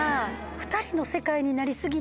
２人の世界になり過ぎて。